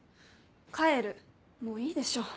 帰るもういいでしょ。